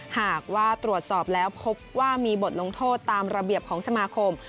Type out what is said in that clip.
หากว่าตรวจสอบแล้วพบว่ามีบทลงโทษตามระเบียบของสมาคม